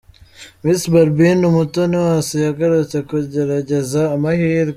Miss Barbine Umutoniwase yagarutse kugerageza amahirwe.